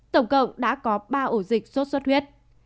tổng cộng đã có ba ổ dịch sốt xuất huyết